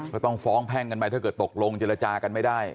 ก็ต้องฟ้องแพ่งกันไปถ้าเกิดตกลงเจรจากันไม่ได้